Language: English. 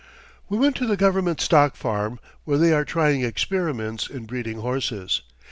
We went to the government stock farm, where they are trying experiments in breeding horses.